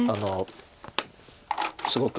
すごく。